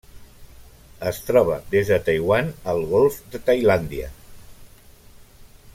Es troba des de Taiwan al Golf de Tailàndia.